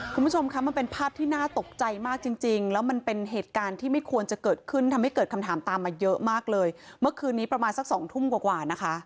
คุณผู้ชมคะมันเป็นภาพที่น่าตกใจมากจริงจริงแล้วมันเป็นเหตุการณ์ที่ไม่ควรจะเกิดขึ้นทำให้เกิดคำถามตามมาเยอะมากเลยเมื่อคืนนี้ประมาณสักสองทุ่มกว่ากว่านะคะ